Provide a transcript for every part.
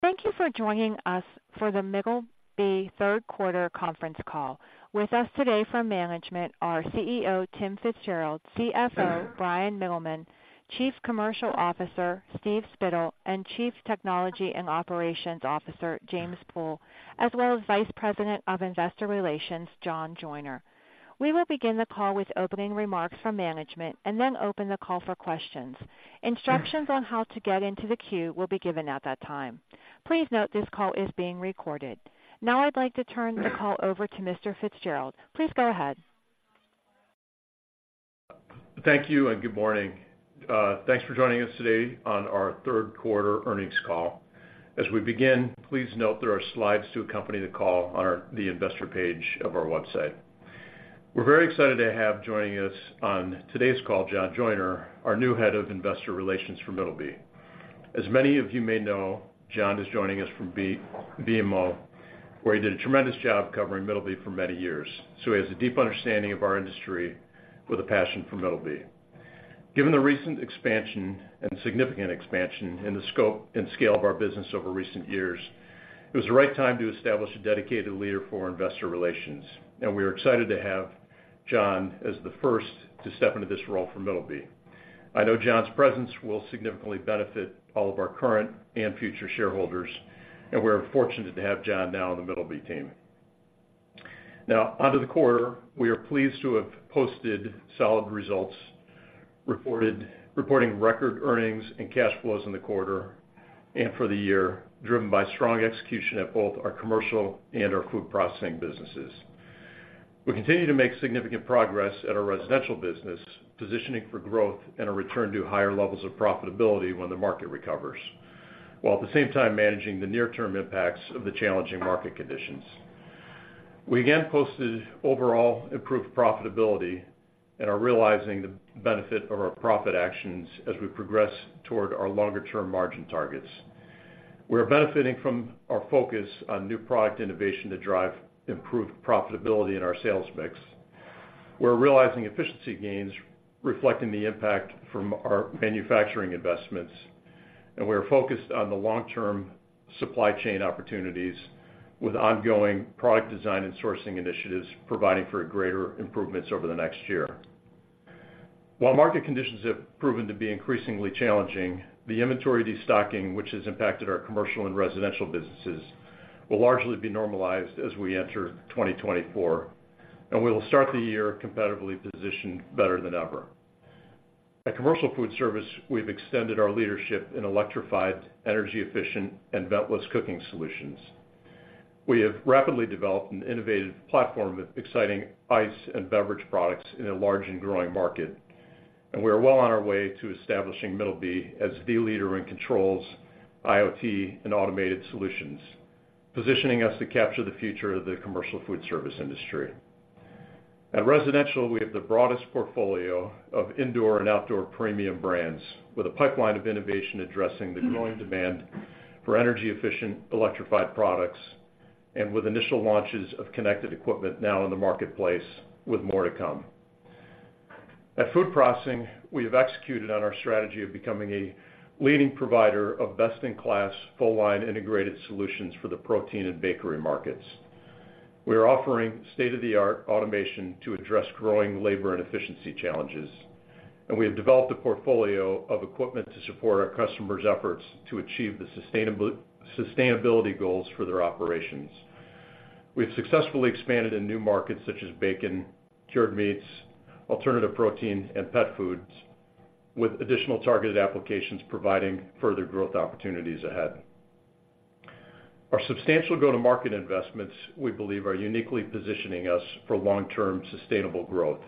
Thank you for joining us for The Middleby third quarter conference call. With us today from management are CEO, Tim FitzGerald, CFO, Bryan Mittelman, Chief Commercial Officer, Steve Spittle, and Chief Technology and Operations Officer, James Pool, as well as Vice President of Investor Relations, John Joyner. We will begin the call with opening remarks from management, and then open the call for questions. Instructions on how to get into the queue will be given at that time. Please note, this call is being recorded. Now I'd like to turn the call over to Mr. FitzGerald. Please go ahead. Thank you, and good morning. Thanks for joining us today on our third quarter earnings call. As we begin, please note there are slides to accompany the call on the investor page of our website. We're very excited to have joining us on today's call, John Joyner, our new Head of Investor Relations for Middleby. As many of you may know, John is joining us from BMO, where he did a tremendous job covering Middleby for many years. So he has a deep understanding of our industry with a passion for Middleby. Given the recent expansion and significant expansion in the scope and scale of our business over recent years, it was the right time to establish a dedicated leader for investor relations, and we are excited to have John as the first to step into this role for Middleby. I know John's presence will significantly benefit all of our current and future shareholders, and we're fortunate to have John now on The Middleby team. Now, onto the quarter. We are pleased to have posted solid results, reporting record earnings and cash flows in the quarter and for the year, driven by strong execution at both our Commercial and our Food Processing businesses. We continue to make significant progress at our Residential business, positioning for growth and a return to higher levels of profitability when the market recovers, while at the same time managing the near-term impacts of the challenging market conditions. We again posted overall improved profitability and are realizing the benefit of our profit actions as we progress toward our longer-term margin targets. We're benefiting from our focus on new product innovation to drive improved profitability in our sales mix. We're realizing efficiency gains, reflecting the impact from our manufacturing investments, and we are focused on the long-term supply chain opportunities with ongoing product design and sourcing initiatives, providing for greater improvements over the next year. While market conditions have proven to be increasingly challenging, the inventory destocking, which has impacted our Commercial and Residential businesses, will largely be normalized as we enter 2024, and we will start the year competitively positioned better than ever. At Commercial Foodservice, we've extended our leadership in electrified, energy-efficient, and ventless cooking solutions. We have rapidly developed an innovative platform with exciting ice and beverage products in a large and growing market, and we are well on our way to establishing Middleby as the leader in controls, IoT, and automated solutions, positioning us to capture the future of the Commercial Foodservice industry. At Residential, we have the broadest portfolio of indoor and outdoor premium brands, with a pipeline of innovation addressing the growing demand for energy-efficient, electrified products and with initial launches of connected equipment now in the marketplace, with more to come. At Food Processing, we have executed on our strategy of becoming a leading provider of best-in-class, full-line integrated solutions for the protein and bakery markets. We are offering state-of-the-art automation to address growing labor and efficiency challenges, and we have developed a portfolio of equipment to support our customers' efforts to achieve the sustainability goals for their operations. We've successfully expanded in new markets such as bacon, cured meats, alternative protein, and pet foods, with additional targeted applications providing further growth opportunities ahead. Our substantial go-to-market investments, we believe, are uniquely positioning us for long-term, sustainable growth,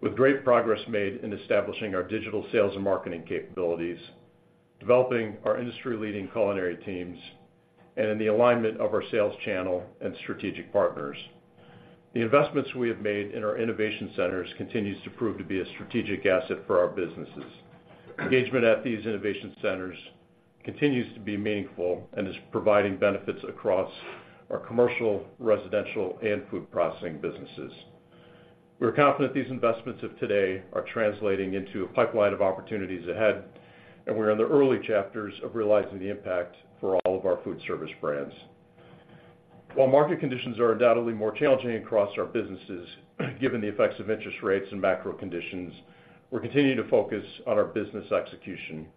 with great progress made in establishing our digital sales and marketing capabilities, developing our industry-leading culinary teams, and in the alignment of our sales channel and strategic partners. The investments we have made in our innovation centers continues to prove to be a strategic asset for our businesses. Engagement at these innovation centers continues to be meaningful and is providing benefits across our Commercial, Residential, and Food Processing businesses. We're confident these investments of today are translating into a pipeline of opportunities ahead, and we're in the early chapters of realizing the impact for all of our Foodservice brands. While market conditions are undoubtedly more challenging across our businesses, given the effects of interest rates and macro conditions, we're continuing to focus on our business execution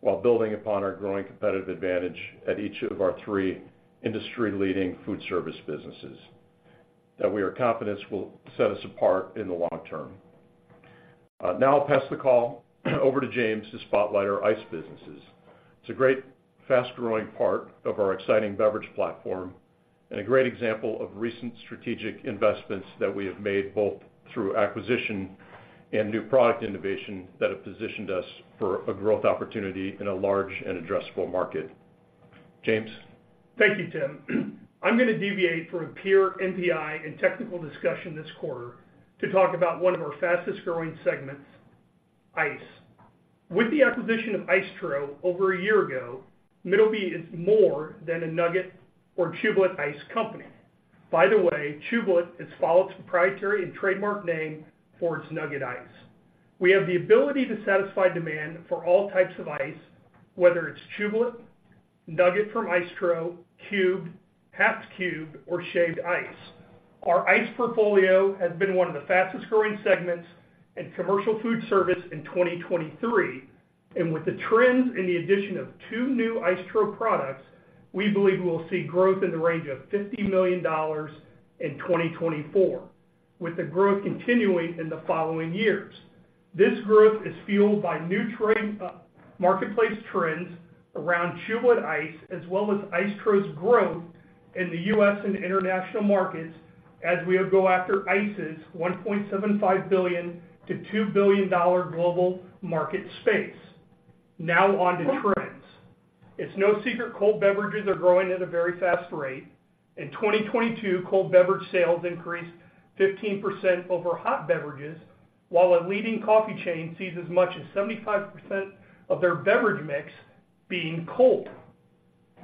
while building upon our growing competitive advantage at each of our three industry-leading Foodservice businesses, that we are confident will set us apart in the long term. Now I'll pass the call over to James to spotlight our ice businesses. It's a great, fast-growing part of our exciting beverage platform and a great example of recent strategic investments that we have made, both through acquisition and new product innovation, that have positioned us for a growth opportunity in a large and addressable market. James? Thank you, Tim. I'm gonna deviate from a pure NPI and technical discussion this quarter to talk about one of our fastest-growing segments, ice. With the acquisition of Icetro over a year ago, Middleby is more than a nugget or Chewblet ice company. By the way, Chewblet is Follett's proprietary and trademark name for its nugget ice. We have the ability to satisfy demand for all types of ice, whether it's Chewblet, nugget from Icetro, cubed, half cubed, or shaved ice. Our ice portfolio has been one of the fastest-growing segments in Commercial Foodservice in 2023, and with the trends and the addition of two new Icetro products, we believe we will see growth in the range of $50 million in 2024, with the growth continuing in the following years. This growth is fueled by new trend, marketplace trends around Chewblet ice, as well as Icetro's growth in the U.S. and international markets as we go after ice's $1.75 billion-$2 billion global market space. Now on to trends. It's no secret cold beverages are growing at a very fast rate. In 2022, cold beverage sales increased 15% over hot beverages, while a leading coffee chain sees as much as 75% of their beverage mix being cold.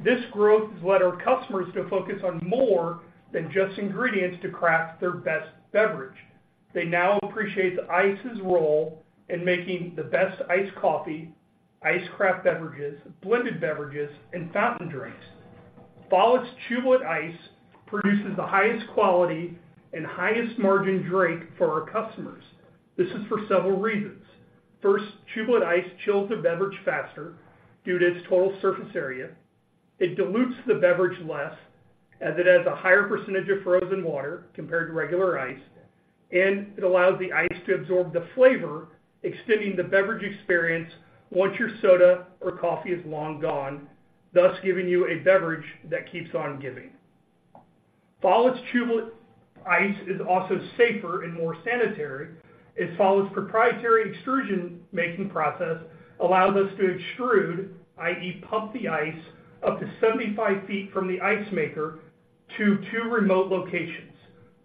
This growth has led our customers to focus on more than just ingredients to craft their best beverage. They now appreciate the ice's role in making the best iced coffee, iced craft beverages, blended beverages, and fountain drinks. Follett's Chewblet ice produces the highest quality and highest margin drink for our customers. This is for several reasons. First, Chewblet ice chills the beverage faster due to its total surface area. It dilutes the beverage less, as it has a higher percentage of frozen water compared to regular ice, and it allows the ice to absorb the flavor, extending the beverage experience once your soda or coffee is long gone, thus giving you a beverage that keeps on giving. Follett's Chewblet ice is also safer and more sanitary, as Follett's proprietary extrusion making process allows us to extrude, i.e., pump the ice, up to 75 ft from the ice maker to two remote locations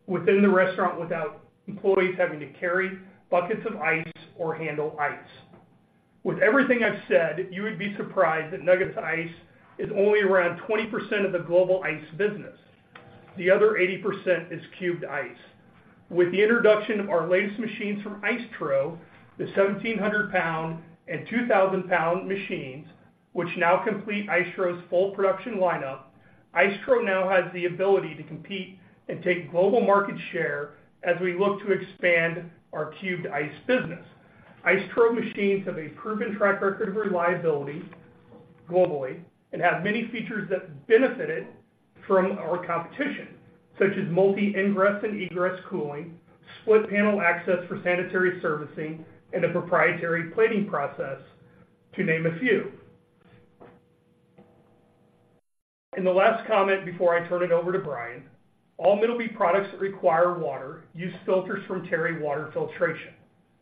within the restaurant without employees having to carry buckets of ice or handle ice. With everything I've said, you would be surprised that nugget ice is only around 20% of the global ice business. The other 80% is cubed ice. With the introduction of our latest machines from Icetro, the 1,700-lb and 2,000-lb machines, which now complete Icetro's full production lineup, Icetro now has the ability to compete and take global market share as we look to expand our cubed ice business. Icetro machines have a proven track record of reliability globally and have many features that benefited from our competition, such as multi ingress and egress cooling, split panel access for sanitary servicing, and a proprietary plating process, to name a few. The last comment before I turn it over to Bryan: All Middleby products that require water use filters from Terry Water Filtration.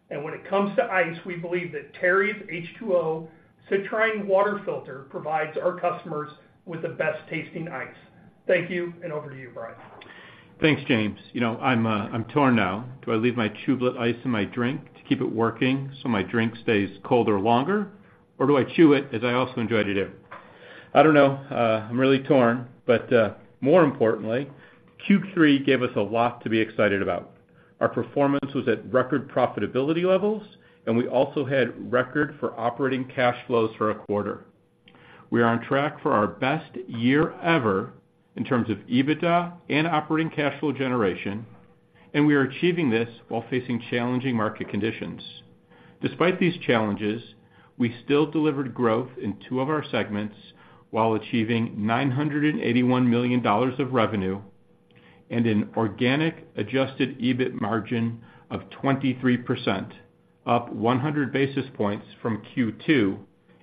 When it comes to ice, we believe that Terry's H2O CITRYNE water filter provides our customers with the best-tasting ice. Thank you, and over to you, Bryan. Thanks, James. You know, I'm torn now. Do I leave my Chewblet ice in my drink to keep it working so my drink stays colder longer? Or do I chew it, as I also enjoy to do? I don't know. I'm really torn, but more importantly, Q3 gave us a lot to be excited about. Our performance was at record profitability levels, and we also had record for operating cash flows for a quarter. We are on track for our best year ever in terms of EBITDA and operating cash flow generation, and we are achieving this while facing challenging market conditions. Despite these challenges, we still delivered growth in two of our segments while achieving $981 million of revenue and an organic adjusted EBIT margin of 23%, up 100 basis points from Q2,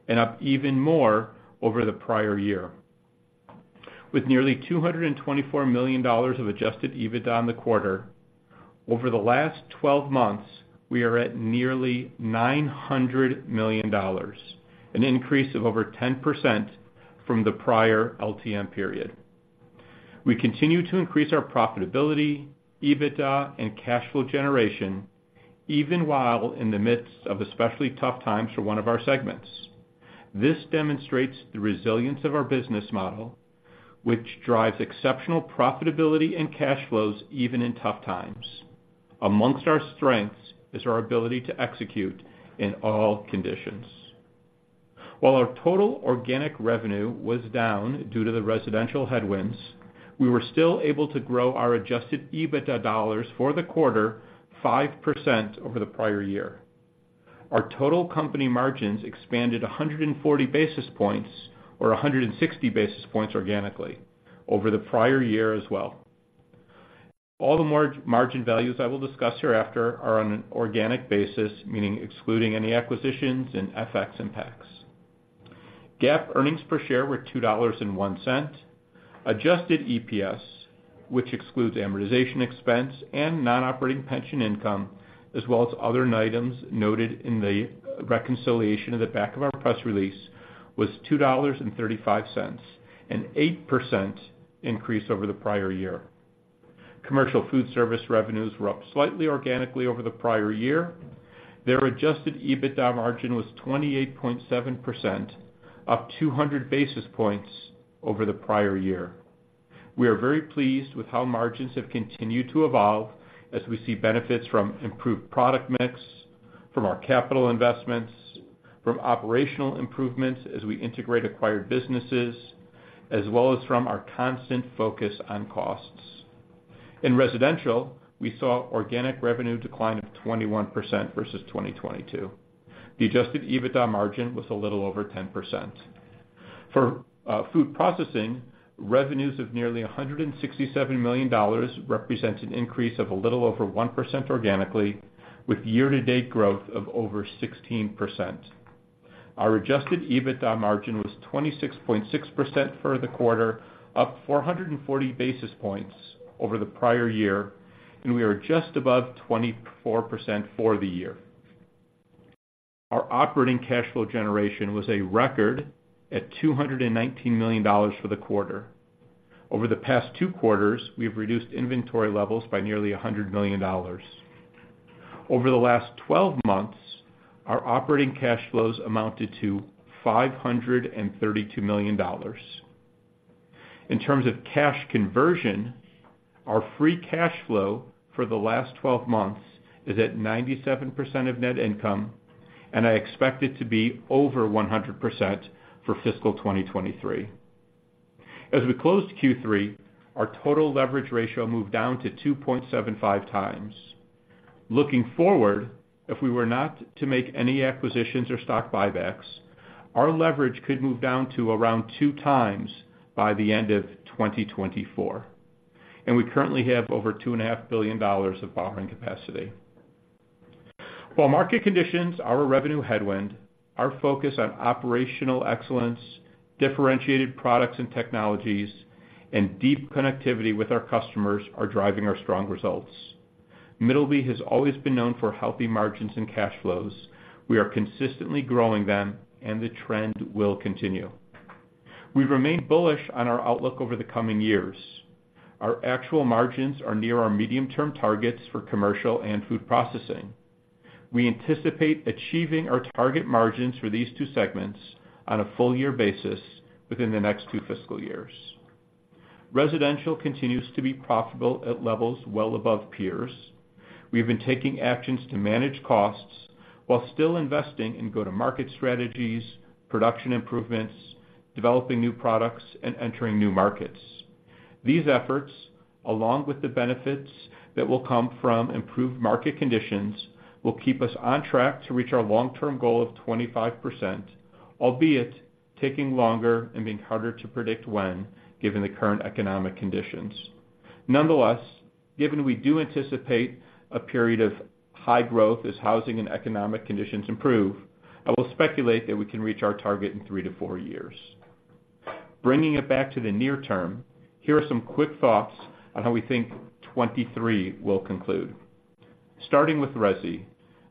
and up even more over the prior year. With nearly $224 million of adjusted EBITDA in the quarter, over the last 12 months, we are at nearly $900 million, an increase of over 10% from the prior LTM period. We continue to increase our profitability, EBITDA, and cash flow generation, even while in the midst of especially tough times for one of our segments. This demonstrates the Resilience of our business model, which drives exceptional profitability and cash flows even in tough times. Among our strengths is our ability to execute in all conditions. While our total organic revenue was down due to the Residential headwinds, we were still able to grow our adjusted EBITDA dollars for the quarter 5% over the prior year. Our total company margins expanded 140 basis points, or 160 basis points organically, over the prior year as well. All the margin values I will discuss hereafter are on an organic basis, meaning excluding any acquisitions and FX impacts. GAAP earnings per share were $2.01. Adjusted EPS, which excludes amortization expense and non-operating pension income, as well as other items noted in the reconciliation in the back of our press release, was $2.35, an 8% increase over the prior year. Commercial Foodservice revenues were up slightly organically over the prior year. Their adjusted EBITDA margin was 28.7%, up 200 basis points over the prior year. We are very pleased with how margins have continued to evolve as we see benefits from improved product mix, from our capital investments, from operational improvements as we integrate acquired businesses, as well as from our constant focus on costs. In Residential, we saw organic revenue decline of 21% versus 2022. The adjusted EBITDA margin was a little over 10%. For Food Processing, revenues of nearly $167 million represents an increase of a little over 1% organically, with year-to-date growth of over 16%. Our adjusted EBITDA margin was 26.6% for the quarter, up 440 basis points over the prior year, and we are just above 24% for the year. Our operating cash flow generation was a record at $219 million for the quarter. Over the past two quarters, we've reduced inventory levels by nearly $100 million. Over the last 12 months, our operating cash flows amounted to $532 million. In terms of cash conversion, our free cash flow for the last twelve months is at 97% of net income, and I expect it to be over 100% for fiscal 2023. As we closed Q3, our total leverage ratio moved down to 2.75x. Looking forward, if we were not to make any acquisitions or stock buybacks, our leverage could move down to around 2x by the end of 2024, and we currently have over $2.5 billion of borrowing capacity. While market conditions are a revenue headwind, our focus on operational excellence, differentiated products and technologies, and deep connectivity with our customers are driving our strong results. Middleby has always been known for healthy margins and cash flows. We are consistently growing them, and the trend will continue. We remain bullish on our outlook over the coming years. Our actual margins are near our medium-term targets for Commercial and Food Processing. We anticipate achieving our target margins for these two segments on a full year basis within the next two fiscal years. Residential continues to be profitable at levels well above peers. We have been taking actions to manage costs while still investing in go-to-market strategies, production improvements, developing new products, and entering new markets. These efforts, along with the benefits that will come from improved market conditions, will keep us on track to reach our long-term goal of 25%, albeit taking longer and being harder to predict when, given the current economic conditions. Nonetheless, given we do anticipate a period of high growth as housing and economic conditions improve, I will speculate that we can reach our target in three to four years. Bringing it back to the near term, here are some quick thoughts on how we think 2023 will conclude. Starting with Resi.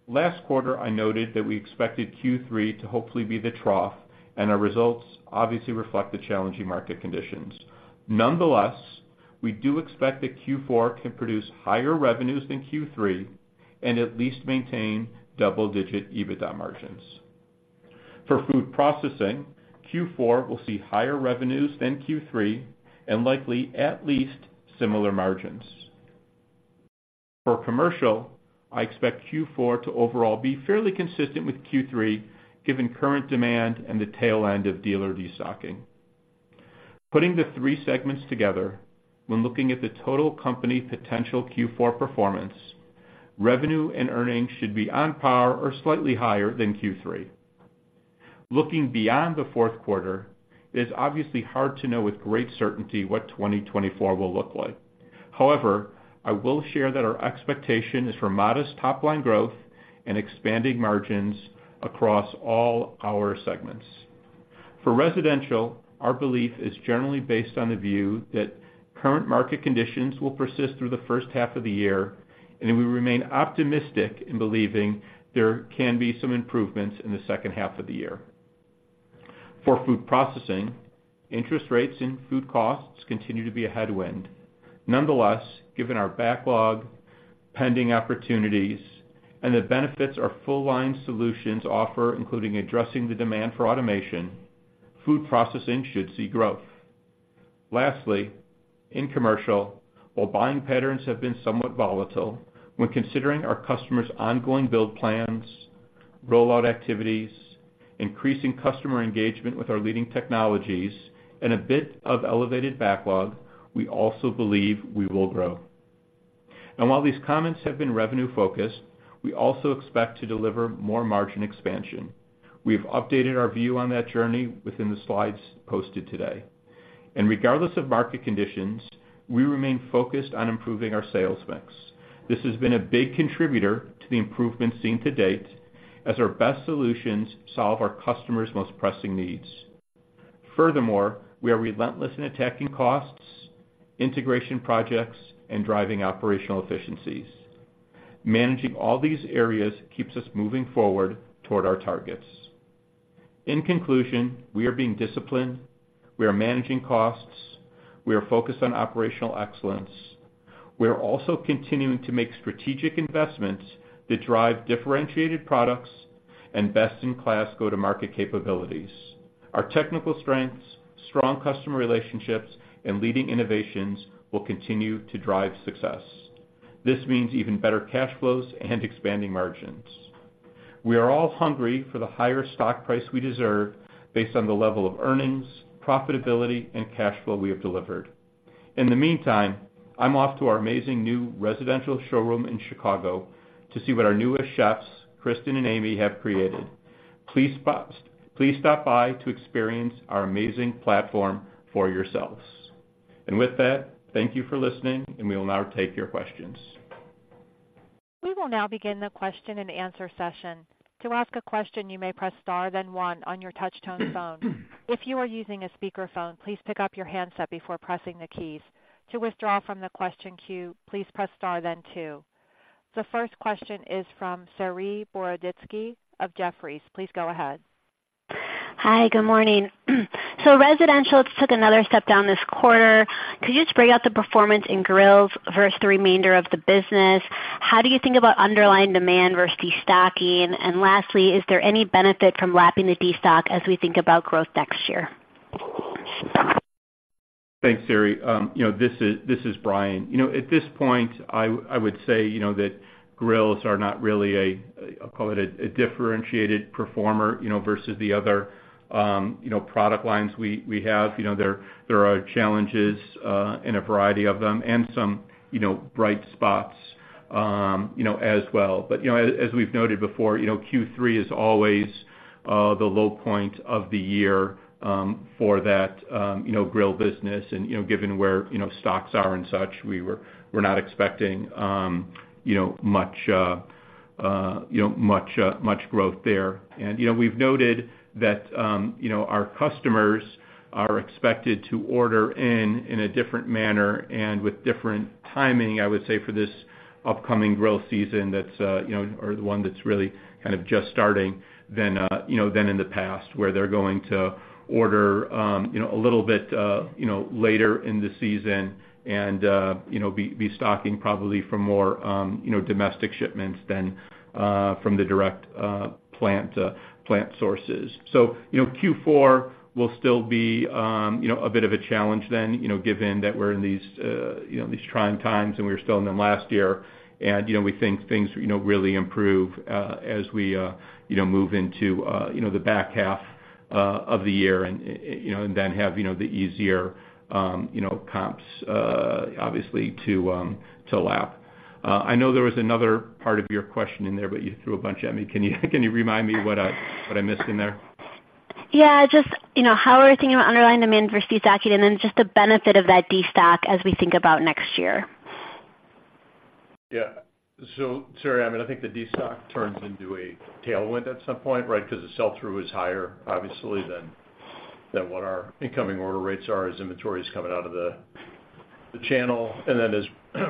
Last quarter, I noted that we expected Q3 to hopefully be the trough, and our results obviously reflect the challenging market conditions. Nonetheless, we do expect that Q4 can produce higher revenues than Q3 and at least maintain double-digit EBITDA margins. For Food Processing, Q4 will see higher revenues than Q3 and likely at least similar margins. For Commercial, I expect Q4 to overall be fairly consistent with Q3, given current demand and the tail end of dealer destocking. Putting the three segments together, when looking at the total company potential Q4 performance, revenue and earnings should be on par or slightly higher than Q3. Looking beyond the fourth quarter, it is obviously hard to know with great certainty what 2024 will look like. However, I will share that our expectation is for modest top-line growth and expanding margins across all our segments. For Residential, our belief is generally based on the view that current market conditions will persist through the first half of the year, and we remain optimistic in believing there can be some improvements in the second half of the year. For Food Processing, interest rates and food costs continue to be a headwind. Nonetheless, given our backlog, pending opportunities, and the benefits our full-line solutions offer, including addressing the demand for automation, Food Processing should see growth. Lastly, in Commercial, while buying patterns have been somewhat volatile, when considering our customers' ongoing build plans, rollout activities, increasing customer engagement with our leading technologies, and a bit of elevated backlog, we also believe we will grow. While these comments have been revenue-focused, we also expect to deliver more margin expansion. We've updated our view on that journey within the slides posted today. Regardless of market conditions, we remain focused on improving our sales mix. This has been a big contributor to the improvements seen to date, as our best solutions solve our customers' most pressing needs. Furthermore, we are relentless in attacking costs, integration projects, and driving operational efficiencies. Managing all these areas keeps us moving forward toward our targets. In conclusion, we are being disciplined, we are managing costs, we are focused on operational excellence. We are also continuing to make strategic investments that drive differentiated products and best-in-class go-to-market capabilities. Our technical strengths, strong customer relationships, and leading innovations will continue to drive success. This means even better cash flows and expanding margins. We are all hungry for the higher stock price we deserve based on the level of earnings, profitability, and cash flow we have delivered. In the meantime, I'm off to our amazing new Residential showroom in Chicago to see what our newest chefs, Kristen and Amy, have created. Please stop by to experience our amazing platform for yourselves. With that, thank you for listening, and we will now take your questions. We will now begin the question-and-answer session. To ask a question, you may press star, then one on your touchtone phone. If you are using a speakerphone, please pick up your handset before pressing the keys. To withdraw from the question queue, please press star, then two. The first question is from Saree Boroditsky of Jefferies. Please go ahead. Hi, good morning. Residential took another step down this quarter. Could you just break out the performance in grills versus the remainder of the business? How do you think about underlying demand versus destocking? And lastly, is there any benefit from lapping the destock as we think about growth next year? Thanks, Saree. You know, this is Bryan. You know, at this point, I would say, you know, that grills are not really a, I'll call it a differentiated performer, you know, versus the other, you know, product lines we have. You know, there are challenges in a variety of them and some, you know, bright spots, you know, as well. But, you know, as we've noted before, you know, Q3 is always the low point of the year for that, you know, grill business. And, you know, given where, you know, stocks are and such, we're not expecting, you know, much growth there. You know, we've noted that, you know, our customers are expected to order in a different manner and with different timing, I would say, for this upcoming grill season, that's, you know, or the one that's really kind of just starting than, you know, than in the past, where they're going to order, you know, a little bit, you know, later in the season and, you know, be stocking probably for more, you know, domestic shipments than from the direct plant sources. So, you know, Q4 will still be, you know, a bit of a challenge then, you know, given that we're in these, you know, these trying times, and we were still in them last year. You know, we think things, you know, really improve as we, you know, move into, you know, the back half of the year and, you know, and then have, you know, the easier, you know, comps, obviously, to lap. I know there was another part of your question in there, but you threw a bunch at me. Can you, can you remind me what I, what I missed in there? Yeah, just, you know, how we're thinking about underlying demand versus destocking, and then just the benefit of that destock as we think about next year. Yeah. So Saree, I mean, I think the destock turns into a tailwind at some point, right? Because the sell-through is higher, obviously, than what our incoming order rates are as inventory is coming out of the channel. And then, as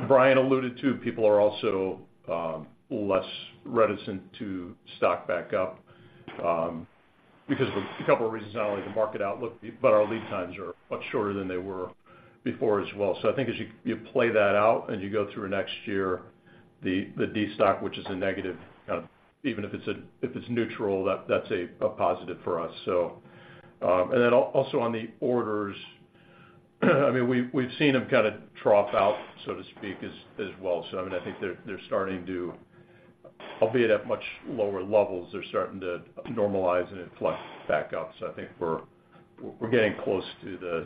Bryan alluded to, people are also less reticent to stock back up because of a couple of reasons, not only the market outlook, but our lead times are much shorter than they were before as well. So I think as you play that out and you go through next year, the destock, which is a negative, even if it's neutral, that's a positive for us. And then also on the orders, I mean, we've seen them kind of drop out, so to speak, as well. So I mean, I think they're starting to. Albeit at much lower levels, they're starting to normalize and influx back up. So I think we're getting close to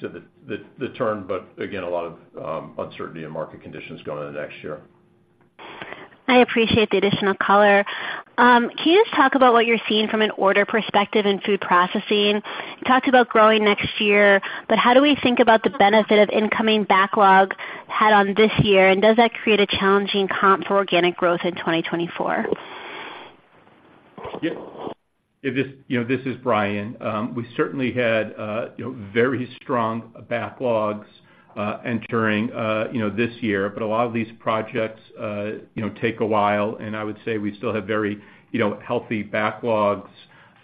the turn, but again, a lot of uncertainty in market conditions going into next year. I appreciate the additional color. Can you just talk about what you're seeing from an order perspective in Food Processing? You talked about growing next year, but how do we think about the benefit of incoming backlog had on this year, and does that create a challenging comp for organic growth in 2024? Yeah. Yeah, this, you know, this is Bryan. We certainly had, you know, very strong backlogs entering, you know, this year. But a lot of these projects, you know, take a while, and I would say we still have very, you know, healthy backlogs,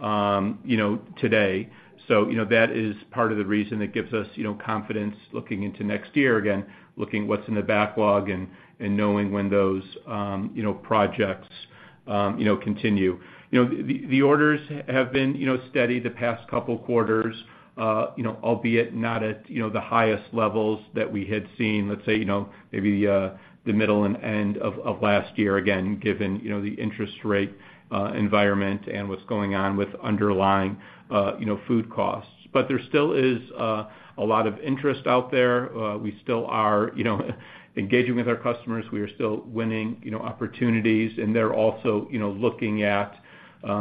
you know, today. So, you know, that is part of the reason it gives us, you know, confidence looking into next year, again, looking what's in the backlog and knowing when those, you know, projects, you know, continue. You know, the orders have been, you know, steady the past couple quarters, you know, albeit not at, you know, the highest levels that we had seen, let's say, you know, maybe the middle and end of last year, again, given, you know, the interest rate environment and what's going on with underlying, you know, food costs. But there still is a lot of interest out there. We still are, you know, engaging with our customers. We are still winning, you know, opportunities, and they're also, you know, looking at,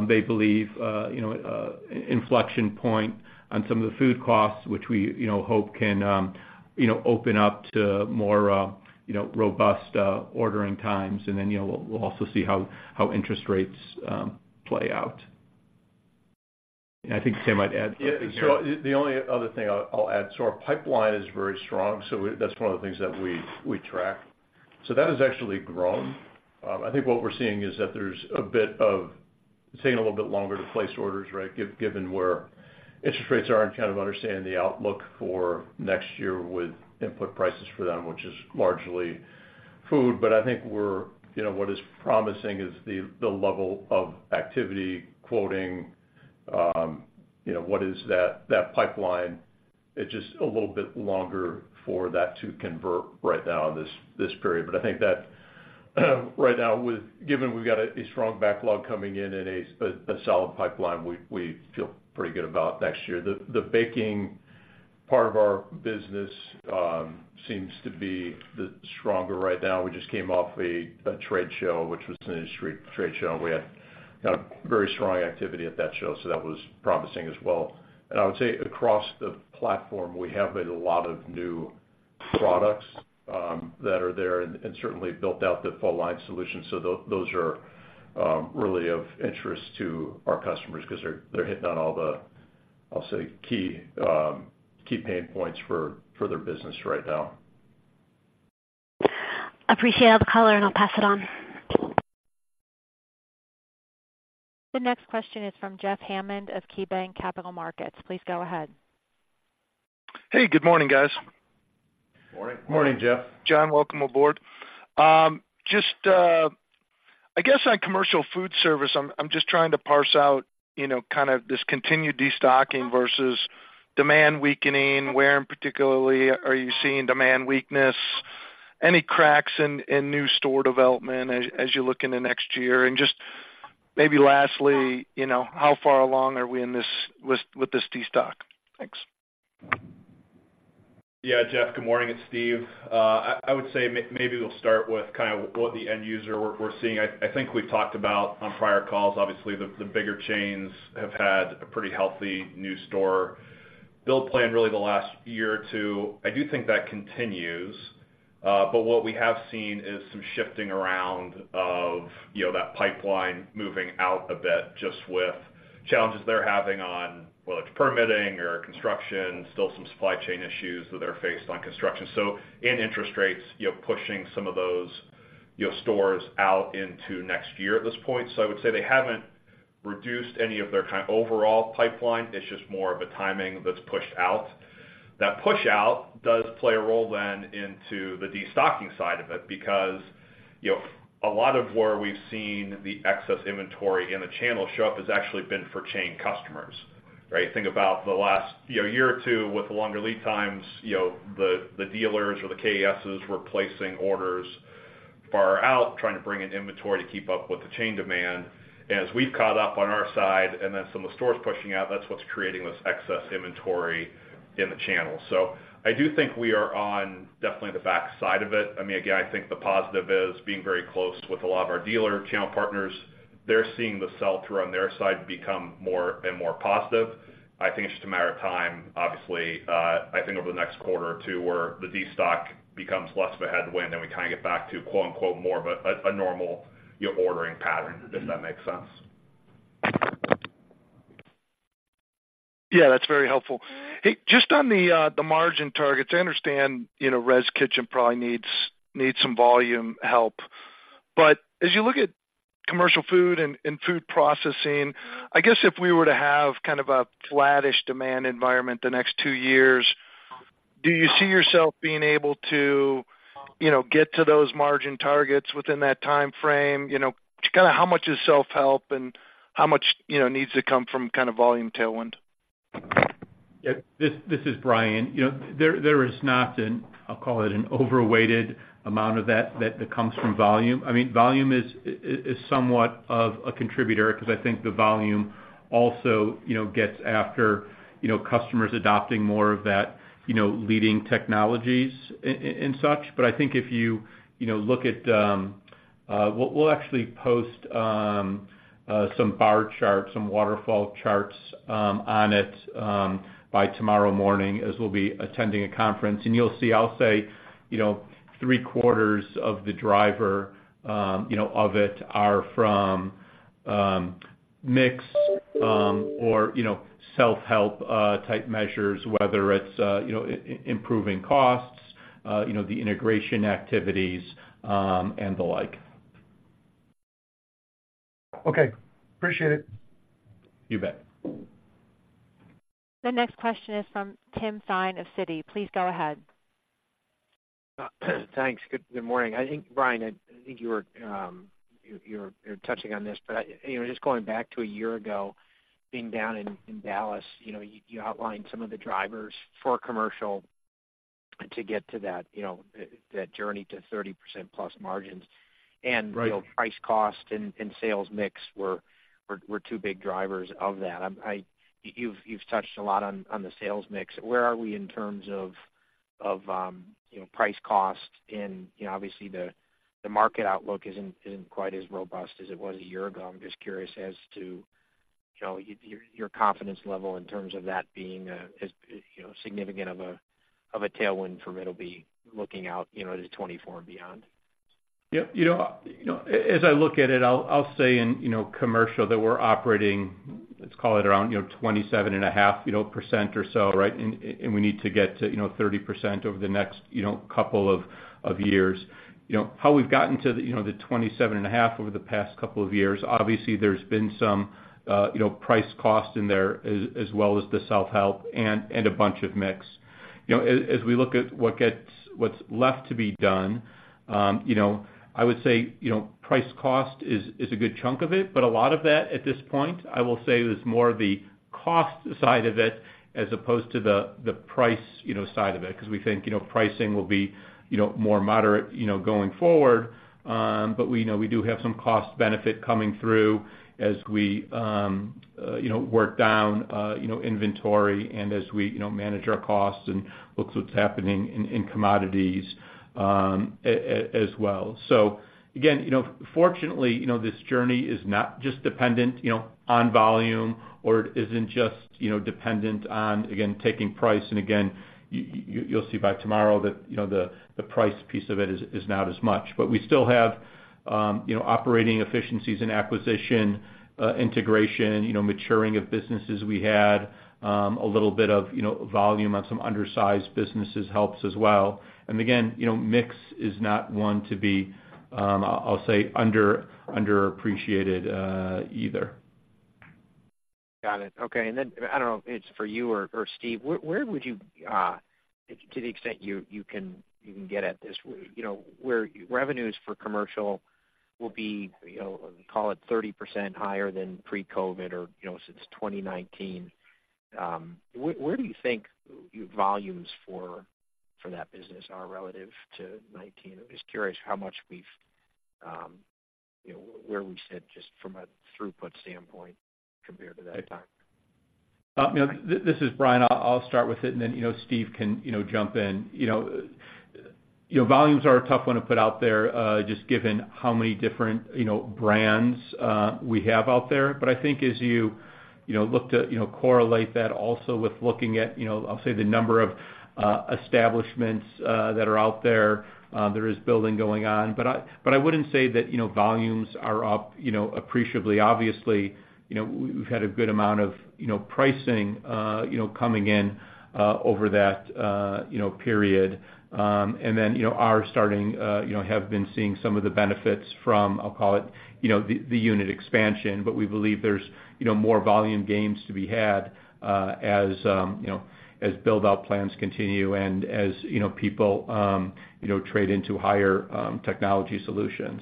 they believe, you know, inflection point on some of the food costs, which we, you know, hope can, you know, open up to more, you know, robust ordering times. And then, you know, we'll also see how interest rates play out. I think some might add something here. Yeah, so the only other thing I'll add. So our pipeline is very strong, so we—that's one of the things that we track. So that has actually grown. I think what we're seeing is that there's a bit of taking a little bit longer to place orders, right? Given where interest rates are and kind of understanding the outlook for next year with input prices for them, which is largely food. But I think we're, you know, what is promising is the level of activity quoting, you know, what is that pipeline? It's just a little bit longer for that to convert right now in this period. But I think that, right now, with—given we've got a strong backlog coming in and a solid pipeline, we feel pretty good about next year. The baking part of our business seems to be the stronger right now. We just came off a trade show, which was an industry trade show, and we had kind of very strong activity at that show, so that was promising as well. I would say across the platform, we have made a lot of new products that are there and certainly built out the full line solution. Those are really of interest to our customers because they're hitting on all the, I'll say, key key pain points for their business right now. Appreciate all the color, and I'll pass it on. The next question is from Jeff Hammond of KeyBanc Capital Markets. Please go ahead. Hey, good morning, guys. Morning. Morning, Jeff. John, welcome aboard. Just, I guess on Commercial Foodservice, I'm just trying to parse out, you know, kind of this continued destocking versus demand weakening. Where, particularly, are you seeing demand weakness? Any cracks in new store development as you look into next year? And just maybe lastly, you know, how far along are we in this, with this destock? Thanks. Yeah, Jeff, good morning. It's Steve. I would say maybe we'll start with kind of what the end user we're seeing. I think we've talked about on prior calls, obviously, the bigger chains have had a pretty healthy new store build plan, really, the last year or two. I do think that continues. But what we have seen is some shifting around of, you know, that pipeline moving out a bit, just with challenges they're having on whether it's permitting or construction, still some supply chain issues that they're faced on construction. So in interest rates, you're pushing some of those, your stores out into next year at this point. So I would say they haven't reduced any of their overall pipeline. It's just more of a timing that's pushed out. That push out does play a role then into the destocking side of it, because, you know, a lot of where we've seen the excess inventory in the channel show up has actually been for chain customers, right? Think about the last, you know, year or two with the longer lead times, you know, the, the dealers or the KECs were placing orders far out, trying to bring in inventory to keep up with the chain demand. And as we've caught up on our side, and then some of the stores pushing out, that's what's creating this excess inventory in the channel. So I do think we are on definitely the back side of it. I mean, again, I think the positive is being very close with a lot of our dealer channel partners. They're seeing the sell-through on their side become more and more positive. I think it's just a matter of time, obviously, I think over the next quarter or two, where the destock becomes less of a headwind, and we kind of get back to, quote, unquote, "more of a, a normal, you know, ordering pattern," if that makes sense. Yeah, that's very helpful. Hey, just on the margin targets, I understand, you know, Res Kitchen probably needs some volume help. But as you look at Commercial Food and Food Processing, I guess if we were to have kind of a flattish demand environment the next two years, do you see yourself being able to, you know, get to those margin targets within that time frame? You know, just kinda how much is self-help and how much, you know, needs to come from kind of volume tailwind? Yeah, this is Bryan. You know, there is not an, I'll call it, an overweighted amount of that that comes from volume. I mean, volume is somewhat of a contributor because I think the volume also, you know, gets after, you know, customers adopting more of that, you know, leading technologies in such. But I think if you, you know, look at. We'll actually post some bar charts, some waterfall charts on it by tomorrow morning, as we'll be attending a conference. And you'll see, I'll say, you know, three-quarters of the driver, you know, of it are from mix, or, you know, self-help type measures, whether it's, you know, improving costs, you know, the integration activities, and the like. Okay, appreciate it. You bet. The next question is from Tim Thein of Citi. Please go ahead. Thanks. Good morning. I think, Bryan, you were touching on this, but you know, just going back to a year ago, being down in Dallas, you know, you outlined some of the drivers for Commercial to get to that, you know, that journey to 30%+ margins. Right. You know, price, cost, and sales mix were two big drivers of that. You've touched a lot on the sales mix. Where are we in terms of, you know, price, cost? And, you know, obviously, the market outlook isn't quite as robust as it was a year ago. I'm just curious as to, you know, your confidence level in terms of that being, as, you know, significant of a tailwind for Middleby, looking out, you know, to 2024 and beyond. Yep, you know, as I look at it, I'll say in Commercial that we're operating, let's call it around 27.5% or so, right? And we need to get to 30% over the next couple of years. You know, how we've gotten to the 27.5% over the past couple of years, obviously, there's been some price cost in there, as well as the self-help and a bunch of mix. You know, as we look at what's left to be done, you know, I would say, you know, price cost is a good chunk of it, but a lot of that, at this point, I will say is more the cost side of it as opposed to the price, you know, side of it. Because we think, you know, pricing will be, you know, more moderate, you know, going forward. But we know we do have some cost benefit coming through as we, you know, work down, you know, inventory and as we, you know, manage our costs and look what's happening in commodities, as well. So again, you know, fortunately, you know, this journey is not just dependent, you know, on volume or isn't just, you know, dependent on, again, taking price. Again, you’ll see by tomorrow that, you know, the price piece of it is not as much. But we still have, you know, operating efficiencies and acquisition integration, you know, maturing of businesses. We had a little bit of, you know, volume on some undersized businesses helps as well. Again, you know, mix is not one to be, I’ll say, underappreciated, either. Got it. Okay. And then, I don't know if it's for you or, or Steve, where, where would you, to the extent you, you can, you can get at this, you know, where revenues for Commercial will be, you know, call it 30% higher than pre-COVID or, you know, since 2019. Where, where do you think volumes for, for that business are relative to 2019? I'm just curious how much we've, you know, where we sit just from a throughput standpoint compared to that time. This is Bryan. I'll start with it, and then, you know, Steve can, you know, jump in. You know, you know, volumes are a tough one to put out there, just given how many different, you know, brands, uh, we have out there. But I wouldn't say that, you know, volumes are up, you know, appreciably. Obviously, you know, we've had a good amount of, you know, pricing, you know, coming in, over that, you know, period. And then, you know, are starting, you know, have been seeing some of the benefits from, I'll call it, you know, the unit expansion. But we believe there's, you know, more volume gains to be had, as, you know, as build-out plans continue and as, you know, people, you know, trade into higher, technology solutions.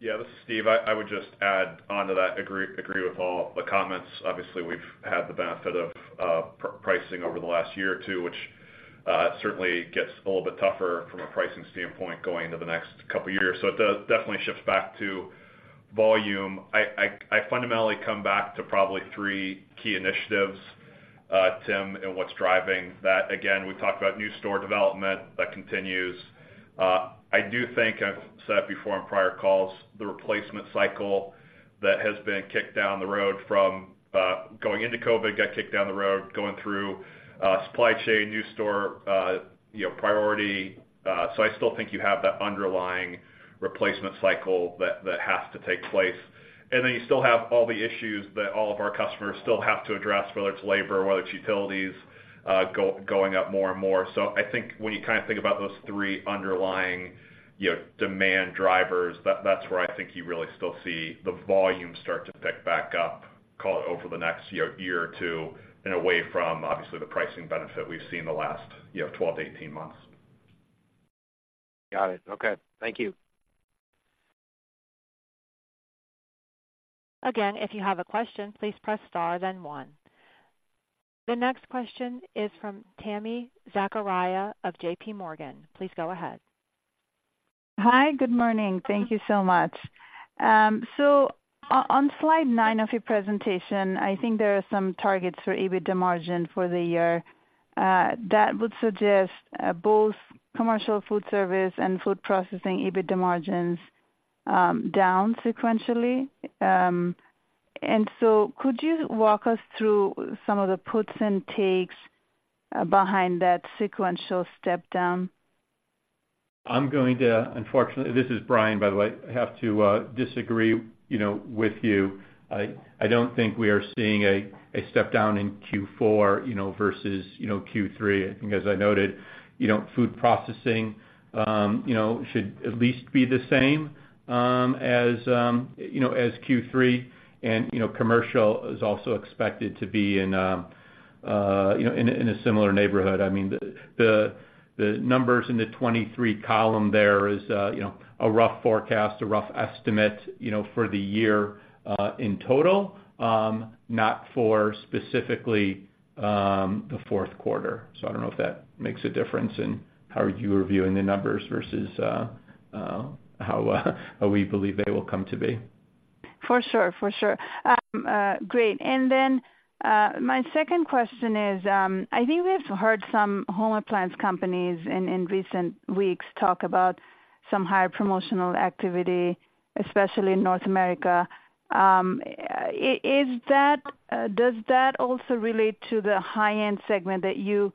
Yeah, this is Steve. I would just add onto that, agree, agree with all the comments. Obviously, we've had the benefit of pricing over the last year or two, which certainly gets a little bit tougher from a pricing standpoint going into the next couple of years. So it does definitely shift back to volume. I fundamentally come back to probably three key initiatives, Tim, and what's driving that. Again, we talked about new store development. That continues. I do think I've said it before on prior calls, the replacement cycle that has been kicked down the road from going into COVID, got kicked down the road, going through supply chain, new store you know priority. So I still think you have that underlying replacement cycle that has to take place. And then you still have all the issues that all of our customers still have to address, whether it's labor, whether it's utilities, going up more and more. So I think when you kind of think about those three underlying, you know, demand drivers, that's where I think you really still see the volume start to pick back up, call it over the next year or two, and away from, obviously, the pricing benefit we've seen in the last, you know, 12-18 months. Got it. Okay. Thank you. Again, if you have a question, please press star, then one. The next question is from Tami Zakaria of JPMorgan. Please go ahead. Hi, good morning. Thank you so much. So on slide nine of your presentation, I think there are some targets for EBITDA margin for the year, that would suggest both Commercial Foodservice and Food Processing EBITDA margins down sequentially. And so could you walk us through some of the puts and takes behind that sequential step down? I'm going to unfortunately. This is Bryan, by the way. I have to disagree, you know, with you. I don't think we are seeing a step down in Q4, you know, versus Q3. I think as I noted, you know, Food Processing should at least be the same as Q3. And Commercial is also expected to be in a similar neighborhood. I mean, the numbers in the 2023 column there is a rough forecast, a rough estimate, you know, for the year in total, not for specifically the fourth quarter. So I don't know if that makes a difference in how you are viewing the numbers versus how we believe they will come to be. For sure, for sure. Great. And then, my second question is, I think we've heard some home appliance companies in recent weeks talk about some higher promotional activity, especially in North America. Does that also relate to the high-end segment that you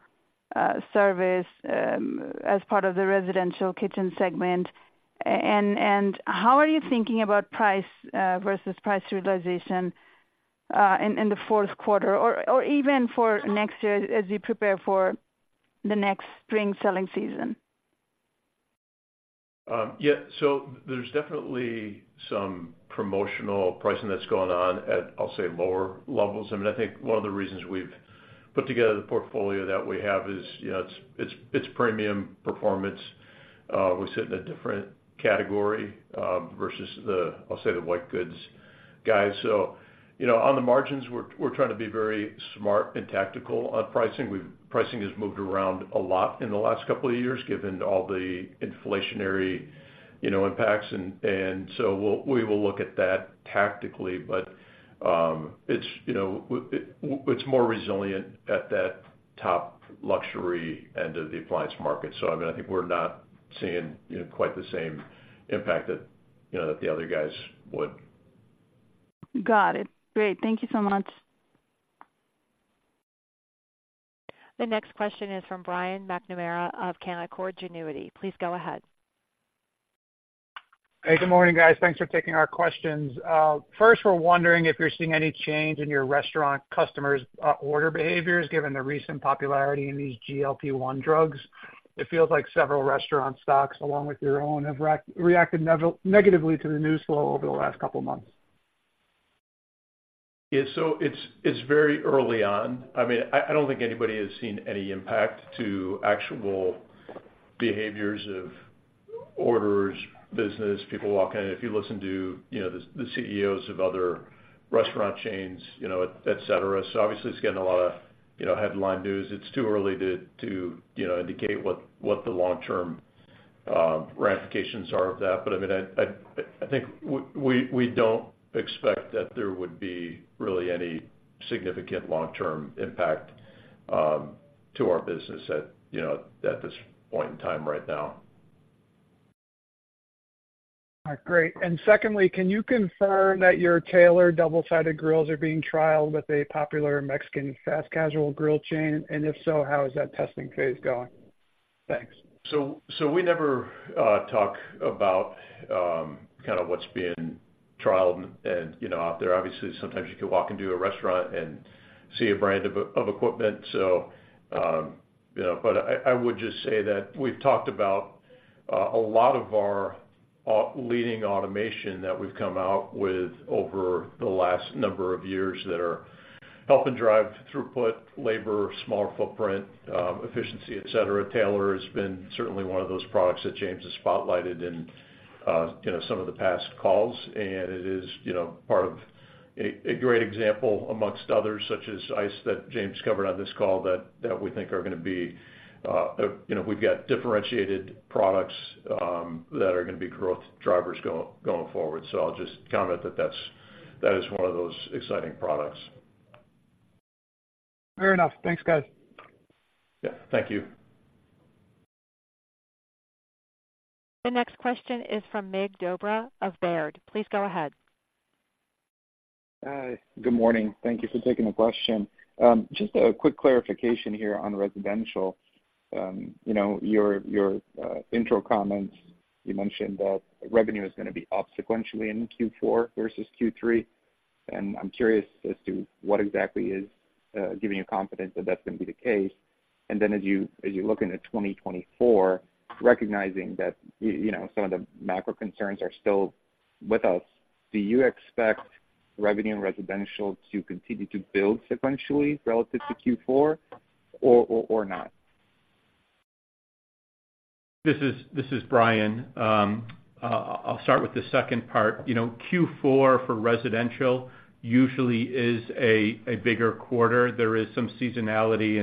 service as part of the Residential kitchen segment? And, how are you thinking about price versus price realization in the fourth quarter or even for next year as you prepare for the next spring selling season? Yeah, so there's definitely some promotional pricing that's going on at, I'll say, lower levels. I mean, I think one of the reasons we've put together the portfolio that we have is, you know, it's, it's, it's premium performance. We sit in a different category, versus the, I'll say, the white goods guys. So, you know, on the margins, we're, we're trying to be very smart and tactical on pricing. We've-- pricing has moved around a lot in the last couple of years, given all the inflationary, you know, impacts. And, and so we'll, we will look at that tactically. But, it's, you know, it, it's more Resilient at that top luxury end of the appliance market. So I mean, I think we're not seeing, you know, quite the same impact that, you know, that the other guys would. Got it. Great. Thank you so much. The next question is from Brian McNamara of Canaccord Genuity. Please go ahead. Hey, good morning, guys. Thanks for taking our questions. First, we're wondering if you're seeing any change in your restaurant customers', order behaviors, given the recent popularity in these GLP-1 drugs. It feels like several restaurant stocks, along with your own, have reacted negatively to the news flow over the last couple of months. Yeah. So it's very early on. I mean, I don't think anybody has seen any impact to actual behaviors of orders, business, people walking in, if you listen to, you know, the CEOs of other restaurant chains, you know, et cetera. So obviously, it's getting a lot of, you know, headline news. It's too early to, you know, indicate what the long-term ramifications are of that. But, I mean, I think we don't expect that there would be really any significant long-term impact to our business at, you know, at this point in time right now. All right, great. And secondly, can you confirm that your Taylor double-sided grills are being trialed with a popular Mexican fast casual grill chain? And if so, how is that testing phase going? Thanks. So we never talk about kind of what's being trialed and, you know, out there. Obviously, sometimes you can walk into a restaurant and see a brand of equipment. So, you know, but I would just say that we've talked about a lot of our leading automation that we've come out with over the last number of years that are helping drive throughput, labor, smaller footprint, efficiency, et cetera. Taylor has been certainly one of those products that James has spotlighted in, you know, some of the past calls, and it is, you know, part of a great example amongst others, such as ice, that James covered on this call, that we think are gonna be, you know, we've got differentiated products that are gonna be growth drivers going forward. I'll just comment that that is one of those exciting products. Fair enough. Thanks, guys. Yeah, thank you. The next question is from Mircea Dobre of Baird. Please go ahead. Hi, good morning. Thank you for taking the question. Just a quick clarification here on Residential. You know, your intro comments, you mentioned that revenue is gonna be up sequentially in Q4 versus Q3, and I'm curious as to what exactly is giving you confidence that that's gonna be the case. And then as you look into 2024, recognizing that, you know, some of the macro concerns are still with us, do you expect revenue and Residential to continue to build sequentially relative to Q4 or not? This is Bryan. I'll start with the second part. You know, Q4 for Residential usually is a bigger quarter. There is some seasonality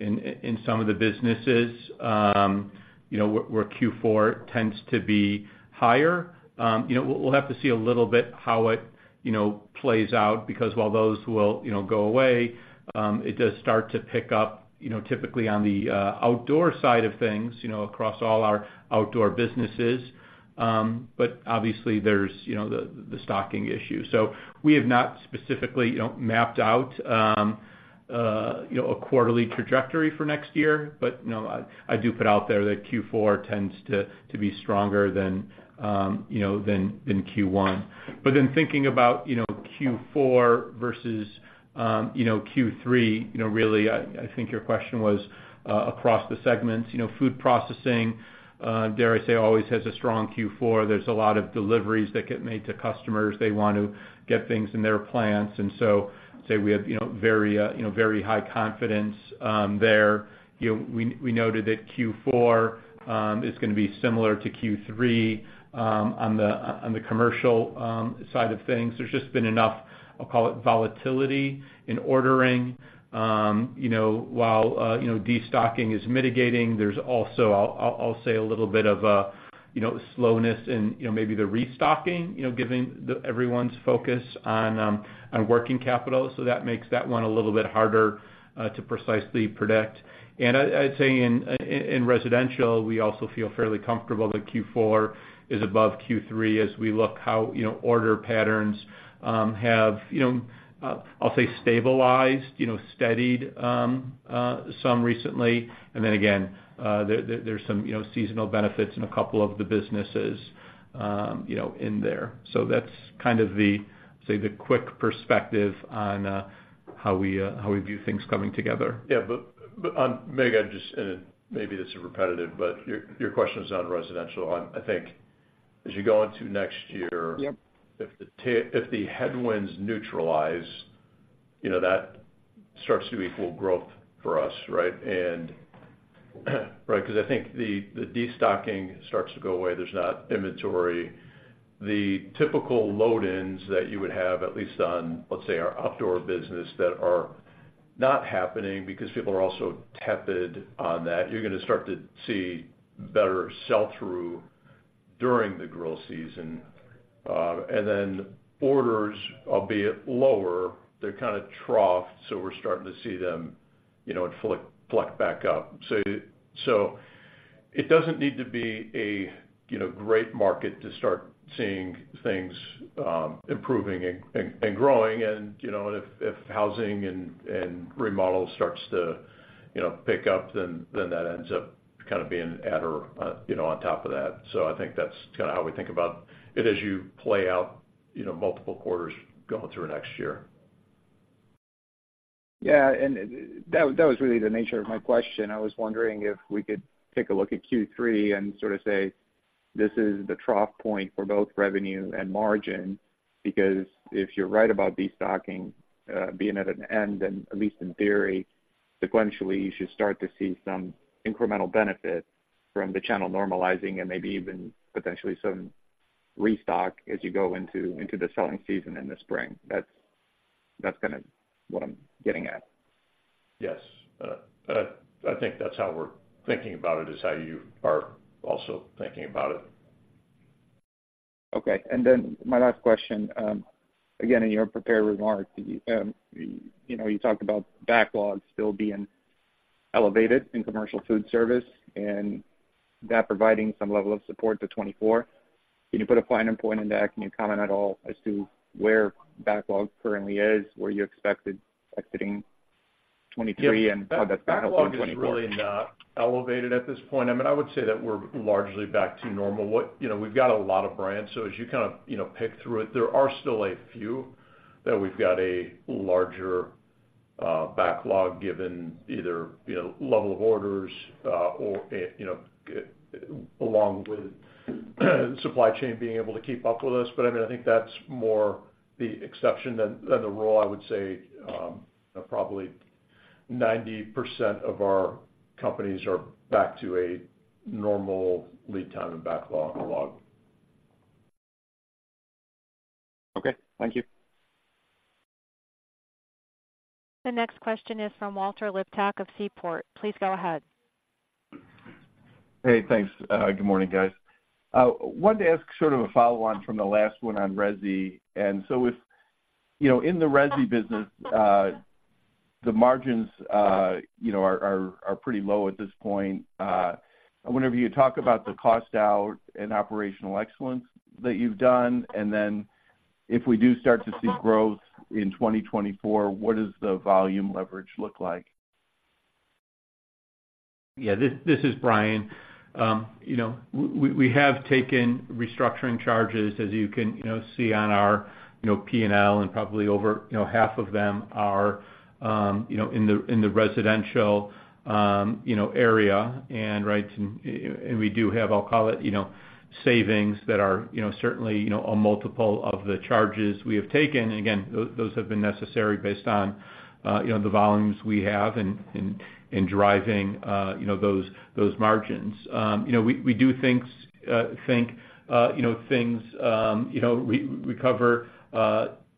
in some of the businesses, you know, where Q4 tends to be higher. You know, we'll have to see a little bit how it, you know, plays out, because while those will, you know, go away, it does start to pick up, you know, typically on the outdoor side of things, you know, across all our outdoor businesses. But obviously, there's, you know, the stocking issue. So we have not specifically, you know, mapped out, you know, a quarterly trajectory for next year. But, you know, I do put out there that Q4 tends to be stronger than, you know, than Q1. But then thinking about, you know, Q4 versus Q3, you know, really, I think your question was across the segments. You know, Food Processing, dare I say, always has a strong Q4. There's a lot of deliveries that get made to customers. They want to get things in their plants. And so I'd say we have, you know, very high confidence there. You know, we noted that Q4 is gonna be similar to Q3 on the Commercial side of things. There's just been enough, I'll call it volatility in ordering. You know, while destocking is mitigating, there's also, I'll say a little bit of a slowness in maybe the restocking, you know, given everyone's focus on working capital. So that makes that one a little bit harder to precisely predict. And I'd say in Residential, we also feel fairly comfortable that Q4 is above Q3 as we look how, you know, order patterns have, you know, I'll say stabilized, you know, steadied some recently. And then again, there's some, you know, seasonal benefits in a couple of the businesses, you know, in there. So that's kind of the, say, the quick perspective on how we, how we view things coming together. Yeah, but, but, maybe I just, and maybe this is repetitive, but your, your question is on Residential. I, I think as you go into next year. Yep. If the headwinds neutralize, you know, that starts to equal growth for us, right? And right, because I think the destocking starts to go away. There's not inventory. The typical load-ins that you would have, at least on, let's say, our outdoor business, that are not happening because people are also tepid on that, you're gonna start to see better sell-through during the grill season. And then orders, albeit lower, they're kind of troughed, so we're starting to see them, you know, and flicker back up. So it doesn't need to be a, you know, great market to start seeing things improving and growing and, you know, and if housing and remodels starts to, you know, pick up, then that ends up kind of being adder, you know, on top of that. I think that's kinda how we think about it as you play out, you know, multiple quarters going through next year. Yeah, and, and that, that was really the nature of my question. I was wondering if we could take a look at Q3 and sort of say, this is the trough point for both revenue and margin, because if you're right about destocking being at an end, then at least in theory, sequentially, you should start to see some incremental benefit from the channel normalizing and maybe even potentially some restock as you go into, into the selling season in the spring. That's, that's kinda what I'm getting at. Yes. I think that's how we're thinking about it, is how you are also thinking about it. Okay. And then my last question, again, in your prepared remarks, you know, you talked about backlogs still being elevated in Commercial Foodservice and that providing some level of support to 2024. Can you put a finer point in that? Can you comment at all as to where backlog currently is, where you expect it exiting 2023 and how that's going to help in 2024? Backlog is really not elevated at this point. I mean, I would say that we're largely back to normal. You know, we've got a lot of brands, so as you kind of, you know, pick through it, there are still a few that we've got a larger backlog, given either, you know, level of orders, or, you know, along with supply chain being able to keep up with us. But, I mean, I think that's more the exception than the rule. I would say, probably 90% of our companies are back to a normal lead time and backlog. Okay, thank you. The next question is from Walter Liptak of Seaport. Please go ahead. Hey, thanks. Good morning, guys. Wanted to ask sort of a follow-on from the last one on Resi. And so if, you know, in the Resi business, the margins, you know, are pretty low at this point. I wonder if you could talk about the cost out and operational excellence that you've done, and then if we do start to see growth in 2024, what does the volume leverage look like? Yeah, this is Bryan. You know, we have taken restructuring charges, as you can, you know, see on our, you know, P&L, and probably over half of them are, you know, in the Residential, you know, area. And we do have, I'll call it, you know, savings that are, you know, certainly, you know, a multiple of the charges we have taken. And again, those have been necessary based on, you know, the volumes we have in driving, you know, those margins. You know, we do think, you know, things recover,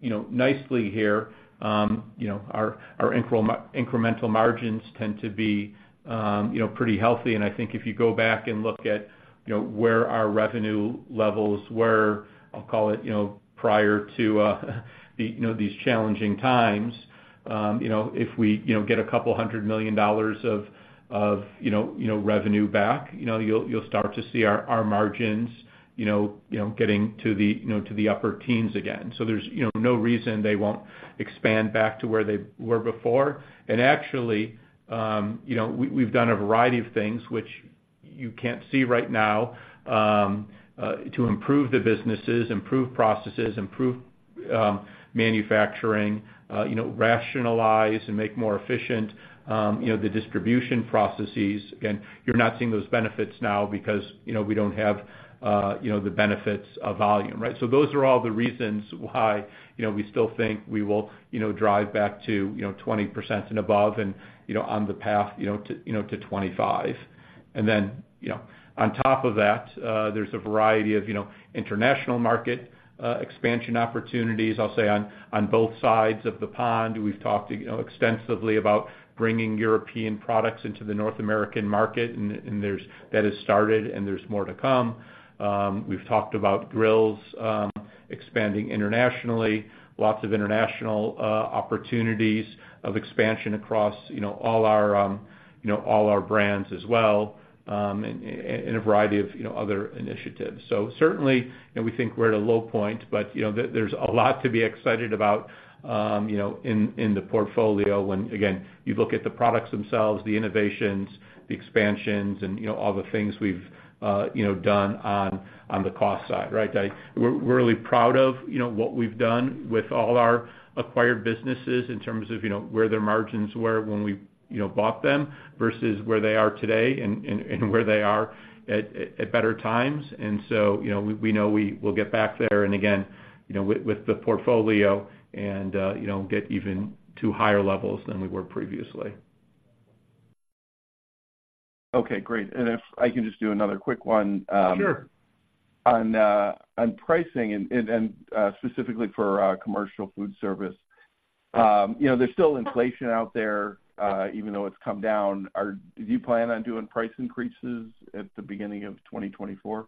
you know, nicely here. You know, our incremental margins tend to be, you know, pretty healthy, and I think if you go back and look at, you know, where our revenue levels were, I'll call it, you know, prior to, uh, the, you know, these challenging times, you know, if we, you know, get $200 million of revenue back, you know, you'll start to see our margins, you know, getting to the, you know, to the upper teens again. So there's, you know, no reason they won't expand back to where they were before. And actually, you know, we, we've done a variety of things which you can't see right now, to improve the businesses, improve processes, improve manufacturing, you know, rationalize and make more efficient, you know, the distribution processes. Again, you're not seeing those benefits now because, you know, we don't have, you know, the benefits of volume, right? So those are all the reasons why, you know, we still think we will, you know, drive back to, you know, 20% and above and, you know, on the path, you know, to, you know, to 25%. And then, you know, on top of that, there's a variety of, you know, international market expansion opportunities. I'll say on, on both sides of the pond, we've talked, you know, extensively about bringing European products into the North American market, and, and there's-- that has started, and there's more to come. We've talked about grills. Expanding internationally, lots of international opportunities of expansion across, you know, all our brands as well, in a variety of, you know, other initiatives. So certainly, you know, we think we're at a low point, but, you know, there's a lot to be excited about, you know, in the portfolio when, again, you look at the products themselves, the innovations, the expansions, and, you know, all the things we've, you know, done on the cost side, right? We're really proud of, you know, what we've done with all our acquired businesses in terms of, you know, where their margins were when we, you know, bought them versus where they are today and where they are at better times. And so, you know, we, we know we will get back there, and again, you know, with, with the portfolio and, you know, get even to higher levels than we were previously. Okay, great. And if I can just do another quick one. Sure. On pricing and specifically Commercial Foodservice. you know, there's still inflation out there, even though it's come down. Do you plan on doing price increases at the beginning of 2024?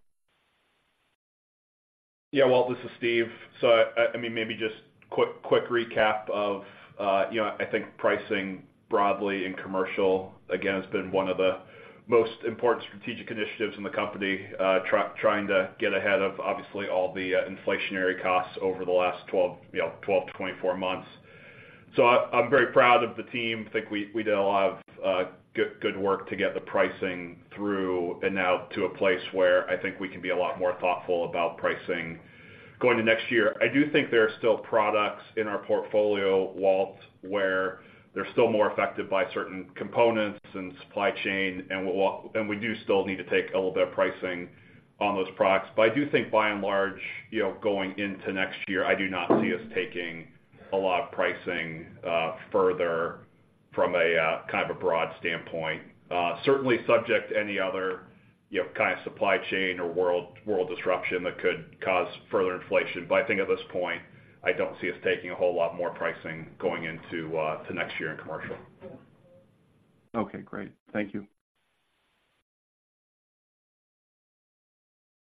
Yeah. Walt, this is Steve. So, I mean, maybe just quick recap of, you know, I think pricing broadly in Commercial, again, has been one of the most important strategic initiatives in the company. Trying to get ahead of, obviously, all the inflationary costs over the last 12, you know, 12-24 months. So I'm very proud of the team. I think we did a lot of good work to get the pricing through and now to a place where I think we can be a lot more thoughtful about pricing going to next year. I do think there are still products in our portfolio, Walt, where they're still more affected by certain components and supply chain, and, Walt, and we do still need to take a little bit of pricing on those products. But I do think by and large, you know, going into next year, I do not see us taking a lot of pricing further from a kind of a broad standpoint. Certainly subject to any other, you know, kind of supply chain or world disruption that could cause further inflation. But I think at this point, I don't see us taking a whole lot more pricing going into next year in Commercial. Okay, great. Thank you.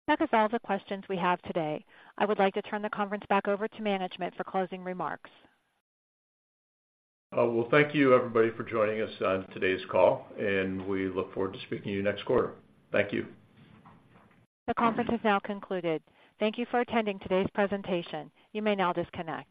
That was all the questions we have today. I would like to turn the conference back over to management for closing remarks. Well, thank you, everybody, for joining us on today's call, and we look forward to speaking to you next quarter. Thank you. The conference is now concluded. Thank you for attending today's presentation. You may now disconnect.